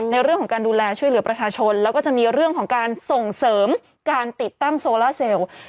ในเรื่องของการดูแลช่วยเหลือประชาชนแล้วก็จะมีเรื่องของการส่งเสริมการติดตั้งโซล่าเซลล์